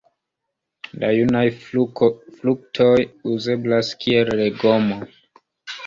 La junaj fruktoj uzeblas kiel legomo.